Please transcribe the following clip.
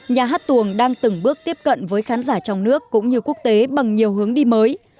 nhà hát tuồng đang từng bước tiếp cận với khán giả trong nước cũng như quốc tế bằng nhiều hướng đi mới